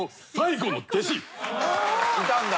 いたんだ。